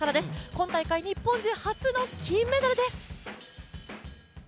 今大会、日本勢初の金メダルです！